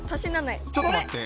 ちょっとまって。